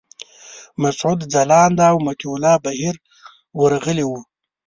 مسعود ځلاند او مطیع الله بهیر ورغلي وو.